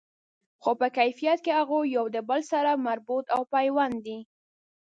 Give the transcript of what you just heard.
خو په حقیقت کی هغوی یو د بل سره مربوط او پیوند دي